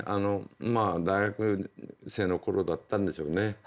まあ大学生の頃だったんでしょうね。